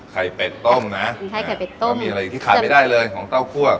เป็ดต้มนะไข่เป็ดต้มก็มีอะไรอีกที่ขาดไม่ได้เลยของเต้าคั่ว